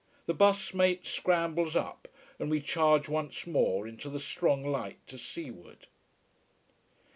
The bus mate scrambles up and we charge once more into the strong light to seaward.